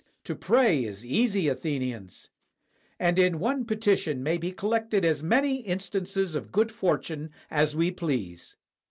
To pray is easy, Athenians; and in one petition may be collected as many instances of good fortune as we please.